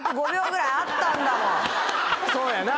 そうやな。